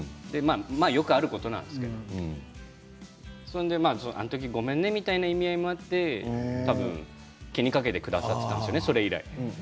よくあることなんですけどあの時ごめんねみたいな意味合いがあって多分気にかけてくださったんですよねそれ以来。